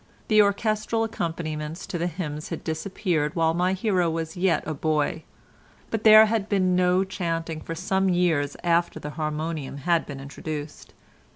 The orchestral accompaniments to the hymns had disappeared while my hero was yet a boy, but there had been no chanting for some years after the harmonium had been introduced.